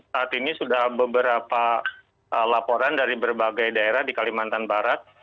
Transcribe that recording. saat ini sudah beberapa laporan dari berbagai daerah di kalimantan barat